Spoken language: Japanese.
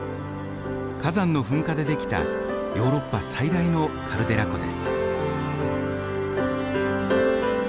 火山の噴火で出来たヨーロッパ最大のカルデラ湖です。